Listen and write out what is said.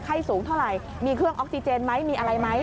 ไข้สูงเท่าไหร่มีเครื่องออกซิเจนไหมมีอะไรไหม